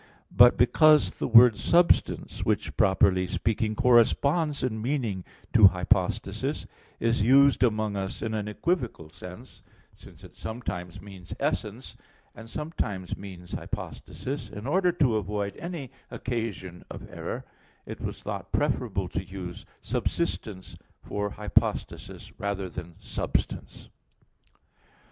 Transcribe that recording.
But because the word "substance," which, properly speaking, corresponds in meaning to "hypostasis," is used among us in an equivocal sense, since it sometimes means essence, and sometimes means hypostasis, in order to avoid any occasion of error, it was thought preferable to use "subsistence" for hypostasis, rather than "substance."